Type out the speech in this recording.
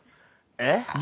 えっ？